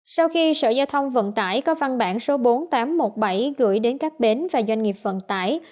sau khi sở giao thông vận tải có văn bản số bốn nghìn tám trăm một mươi bảy gửi đến các bến và doanh nghiệp vận tải